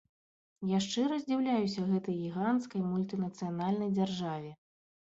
Я шчыра здзіўляюся гэтай гіганцкай мультынацыянальнай дзяржаве.